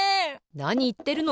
なにいってるの！